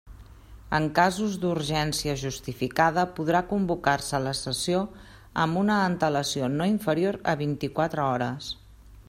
En casos d'urgència justificada podrà convocar-se la sessió amb una antelació no inferior a vint-i-quatre hores.